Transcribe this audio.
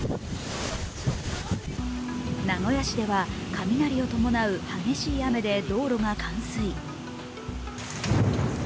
名古屋市では雷を伴う激しい雨で道路が冠水。